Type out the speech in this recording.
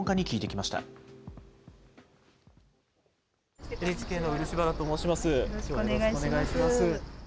よろしくお願いします。